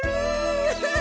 アハハハ。